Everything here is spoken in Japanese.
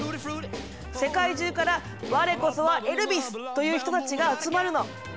世界中から「我こそはエルビス！」という人たちが集まるの。